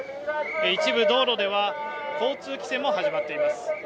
一部道路では交通規制も始まっています。